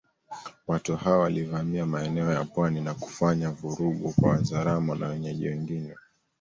Watu hao walivamia maeneo ya pwani na kufanya vurugu kwa Wazaramo na wenyeji wengine